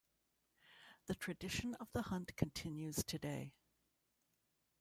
The tradition of the hunt continues today.